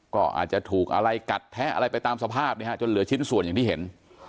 ก็อาจจะถูกอะไรกัดแทะอะไรไปตามสภาพจนเหลือชิ้นส่วนอย่างที่เห็น